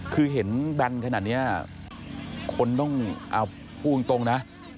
คือเห็นแบนขนาดนี้คนต้องเอาพูดตรงนะ